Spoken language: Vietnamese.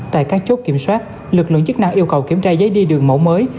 tại các chốt kiểm soát lực lượng chức năng yêu cầu kiểm tra giấy đi đường mẫu mới